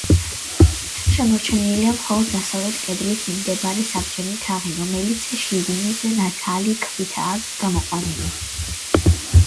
შემორჩენილია, მხოლოდ დასავლეთ კედლის მიმდებარე, საბჯენი თაღი, რომელიც შირიმის ნათალი ქვითაა გამოყვანილი.